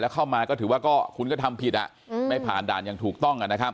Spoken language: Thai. เข้ามาก็ถือว่าก็คุณก็ทำผิดไม่ผ่านด่านอย่างถูกต้อง